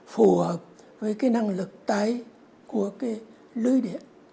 phù hợp với cái năng lực tái của cái lưới điện